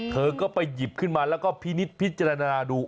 เธอก็ไปหยิบขึ้นมาแล้วก็พินิษฐพิจารณาดู